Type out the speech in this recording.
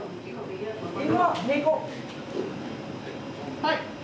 はい！